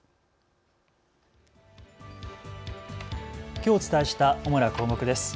きょうお伝えした主な項目です。